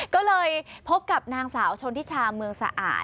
ก็เลยพบกับนางสาวชนทิชาเมืองสะอาด